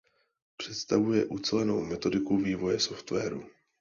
Představuje ucelenou metodiku vývoje softwaru.